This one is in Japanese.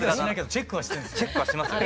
チェックはしてますよ。